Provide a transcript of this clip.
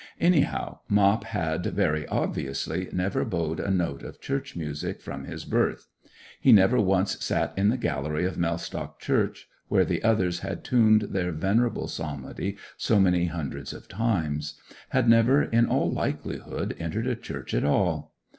Anyhow, Mop had, very obviously, never bowed a note of church music from his birth; he never once sat in the gallery of Mellstock church where the others had tuned their venerable psalmody so many hundreds of times; had never, in all likelihood, entered a church at all.